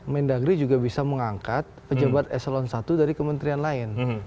mendagri juga bisa mengangkat pejabat eselon i dari kementerian lain